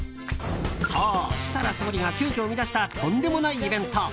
そう、設楽総理が急きょ生み出したとんでもないイベント。